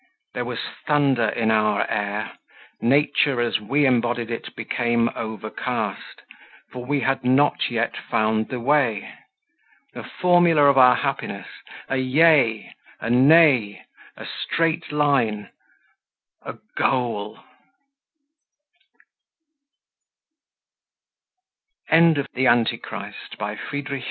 There was thunder in our air; nature, as we embodied it, became overcast for we had not yet found the way. The formula of our happiness: a Yea, a Nay, a straight line, a goal.... Cf. the tenth Pythian ode.